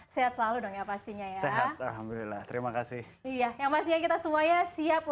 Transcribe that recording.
sehat selalu dong ya pastinya ya alhamdulillah terima kasih iya yang pasti kita semuanya siap